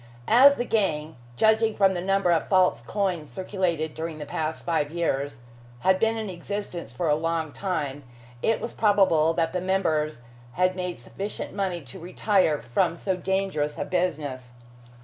As the gang judging from the number of false coins circulated during the past five years had been in existence for a long time, it was probable that the members had made sufficient money to retire from so dangerous a business.